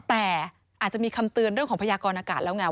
แต่อาจจะมีคำเตือนเรื่องของพยากรอากาศแล้วไง